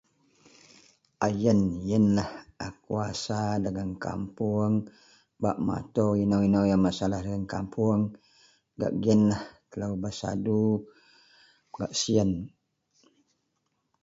A yian yianlah a kuasa dagen kampung bak mengatur inou,-inou yau masalah dagen kampung gak gianlah kelo bersadu gak sian.